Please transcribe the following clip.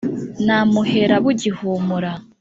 Namuhera bugihumura,